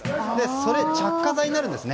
それが着火剤になるんですね。